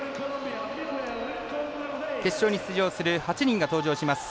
決勝に出場する８人が登場します。